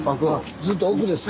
ずっと奥ですか？